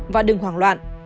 và đừng hoảng loạn